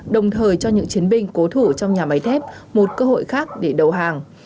đồng thời cho những chiến binh cố thủ trong nhà máy thép một cơ hội khác để đầu hàng